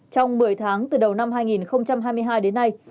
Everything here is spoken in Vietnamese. trong một mươi tháng từ đầu năm hai nghìn hai mươi hai đến nay